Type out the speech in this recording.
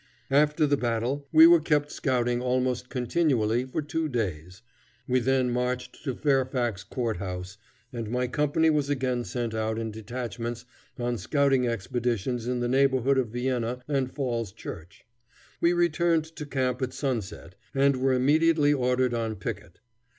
After the battle, we were kept scouting almost continually for two days. We then marched to Fairfax Court House, and my company was again sent out in detachments on scouting expeditions in the neighborhood of Vienna and Falls Church. We returned to camp at sunset and were immediately ordered on picket.